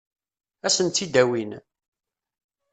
Ad sen-tt-id-awin?